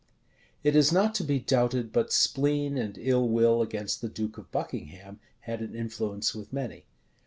It is not to be doubted, but spleen and ill will against the duke of Buckingham had an influence with many.